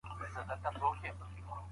مراقبه مو ذهن تازه کوي.